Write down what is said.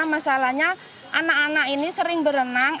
masalahnya anak anak ini sering berenang